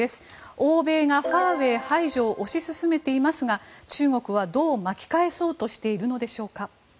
欧米がファーウェイ排除を推し進めていますが中国はどう巻き返そうとしているのでしょうか。